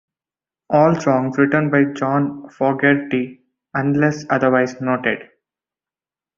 All songs written by John Fogerty, unless otherwise noted.